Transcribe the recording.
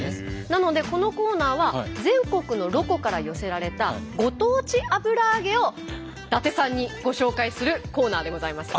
なのでこのコーナーは全国のロコから寄せられたご当地油揚げを伊達さんにご紹介するコーナーでございます。